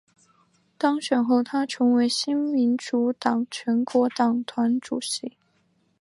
当选后她成为新民主党全国党团主席。